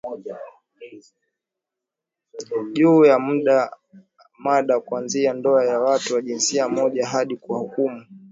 juu ya mada kuanzia ndoa za watu wa jinsia moja hadi kuwahukumu